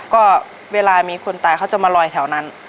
ก็เวลามีคนตายเขาจะมาลอยแถวนั้น